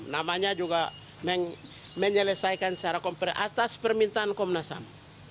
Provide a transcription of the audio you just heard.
namanya juga menyelesaikan secara kompreh atas permintaan komnas ham